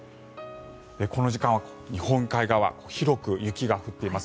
この時間は、日本海側広く雪が降っています。